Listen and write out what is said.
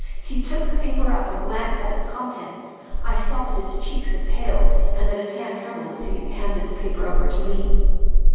He took the paper up and glanced at its contents. I saw that his cheeks had paled, and that his hand trembled as he handed the paper over to me."